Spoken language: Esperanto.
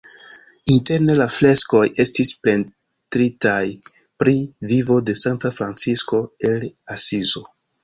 Interne la freskoj estis pentritaj pri vivo de Sankta Francisko el Asizo.